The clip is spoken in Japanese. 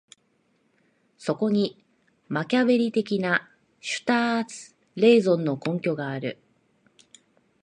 そこにマキァヴェリ的なシュターツ・レーゾンの根拠がある。